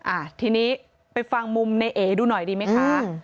อ่าทีนี้ไปฟังมุมในเอดูหน่อยดีไหมคะ